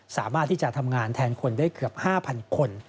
สามารถที่จะทำงานแทนคนได้เกือบ๕๐๐คน